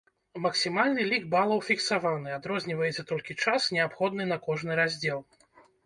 Максімальны лік балаў фіксаваны, адрозніваецца толькі час, неабходны на кожны раздзел.